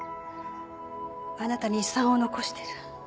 あなたに遺産を残してる